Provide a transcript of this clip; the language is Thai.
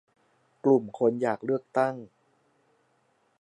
กลุ่มคนอยากเลือกตั้ง